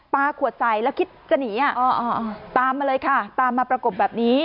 ขวดใส่แล้วคิดจะหนีตามมาเลยค่ะตามมาประกบแบบนี้